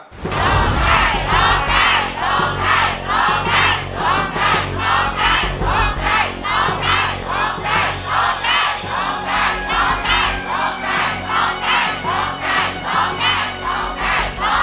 ร้องได้ร้องได้ร้องได้ร้องได้